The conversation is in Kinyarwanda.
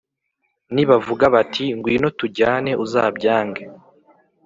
Nibavuga bati “Ngwino tujyane uzabyange